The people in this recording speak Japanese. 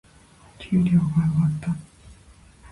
給料が上がった。